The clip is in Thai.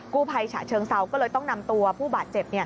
ผู้ภัยฉะเชิงเซาก็เลยต้องนำตัวผู้บาดเจ็บ